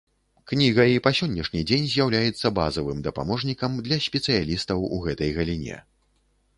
Кніга і па сённяшні дзень з'яўляецца базавым дапаможнікам для спецыялістаў у гэтай галіне.